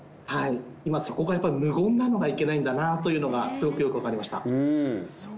今そこがやっぱり無言なのがいけないんだなというのがすごくよくわかりました。